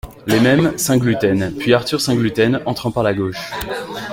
Les mêmes, Saint-Gluten ; puis Arthur Saint-Gluten , entrant par la gauche.